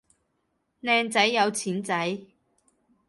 靚仔有錢仔